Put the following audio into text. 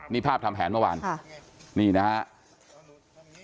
นี่ภาพทำแผนเมื่อวานนี่นะครับ